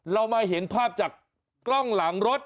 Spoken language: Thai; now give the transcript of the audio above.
เรามาเห็นภาพจากกล้องหลังรถ